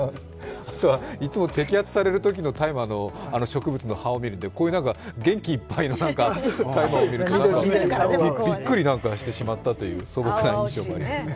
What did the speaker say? いつも摘発されるときの大麻の葉を見るので、こういう元気いっぱいの大麻を見ると、びっくりしてしまうという素朴な印象もあります。